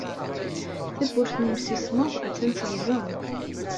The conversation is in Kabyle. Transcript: Tawwurt n yimsismeḍ attan terẓem.